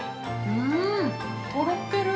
◆うん、とろける。